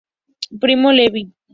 Primo Levi.